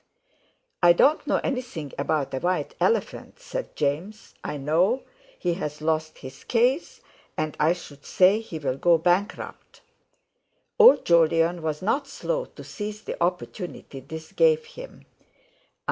"I don't know anything about a white elephant," said James, "I know he's lost his case, and I should say he'll go bankrupt." Old Jolyon was not slow to seize the opportunity this gave him.